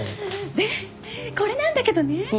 でこれなんだけどね